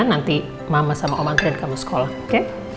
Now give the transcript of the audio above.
nanti mama sama om krian kamu sekolah oke